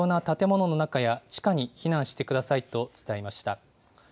頑丈な建物の中や地下に避難してくださいと伝えました。